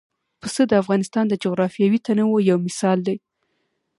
پسه د افغانستان د جغرافیوي تنوع یو مثال دی.